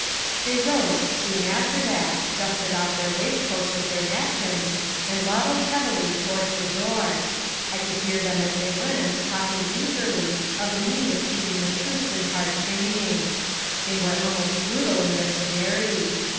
They rose soon after that, dusted off their waistcoats with their napkins and waddled heavily towards the door. I could hear them as they went talking eagerly of the need of keeping the troops in hard training. They were almost brutal in their severity.